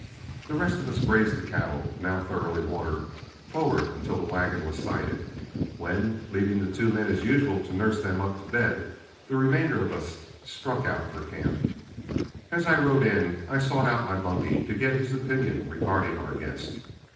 The rest of us grazed the cattle, now thoroughly watered, forward until the wagon was sighted, when, leaving two men as usual to nurse them up to bed, the remainder of us struck out for camp. As I rode in, I sought out my bunkie to get his opinion regarding our guest.